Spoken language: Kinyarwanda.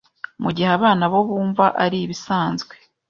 Mu gihe abana bo bumva ari bisanzwe